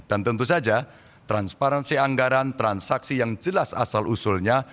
dan tentu saja transparansi anggaran transaksi yang jelas asal usulnya